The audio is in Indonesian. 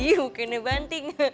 iya mungkinnya banting